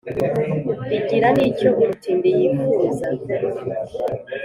igira n’icyo umutindi yifuza,